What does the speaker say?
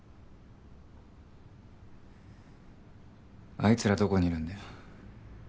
あいつらどこにいるんだ？